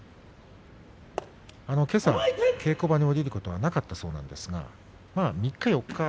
けさ、稽古場に下りることはなかったそうですが３日４日